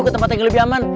ke tempat yang lebih aman